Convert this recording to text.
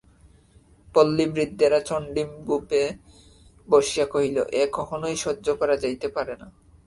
পল্লীবৃদ্ধেরা চণ্ডীমণ্ডপে বসিয়া কহিল, এ কখনোই সহ্য করা যাইতে পারে না।